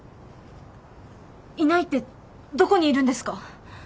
いないってどこにいるんですか？